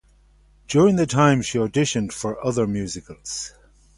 During that time she auditioned for other musicals.